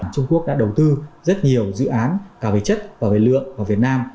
trung quốc đã đầu tư rất nhiều dự án cả về chất và về lượng vào việt nam